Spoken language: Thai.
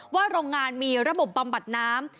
โรงงานมีระบบบำบัดน้ำ